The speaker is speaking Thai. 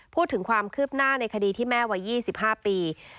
พูดถึงความคืบหน้าในคดีที่แม่วัย๒๕ปี